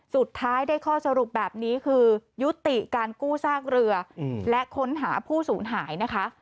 สุดท้ายได้ข้อสรุปแบบนี้คือยุติการกู้ซากเรือและค้นหาผู้สูญหายนะคะ